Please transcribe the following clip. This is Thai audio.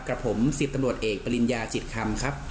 กับผม๑๐ตำรวจเอกปริญญาจิตคำครับ